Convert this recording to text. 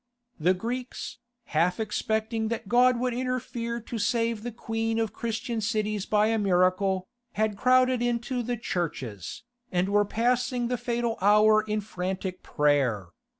The Greeks, half expecting that God would interfere to save the queen of Christian cities by a miracle, had crowded into the churches, and were passing the fatal hour in frantic prayer!